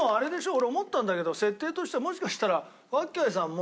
俺思ったんだけど設定としてはもしかしたら。